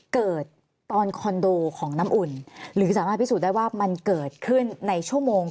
เกิดตอนคอนโดของน้ำอุ่นหรือสามารถพิสูจน์ได้ว่ามันเกิดขึ้นในชั่วโมง